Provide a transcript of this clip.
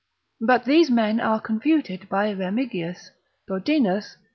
But these men are confuted by Remigius, Bodinus, daem.